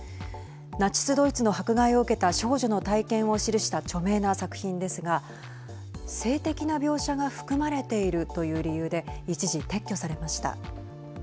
ナチス・ドイツの迫害を受けた少女の体験を記した著名な作品ですが性的な描写が含まれているという理由で一時撤去されました。